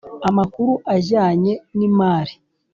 amakuru ajyanye n Imari